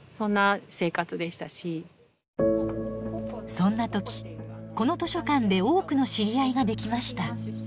そんな時この図書館で多くの知り合いができました。